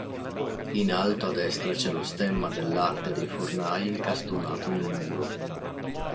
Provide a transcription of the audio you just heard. In alto a destra c'è lo stemma dell'arte dei Fornai incastonato nel muro.